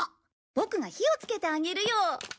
ボクが火をつけてあげるよ。